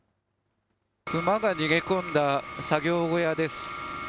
熊が逃げ込んだ作業小屋です。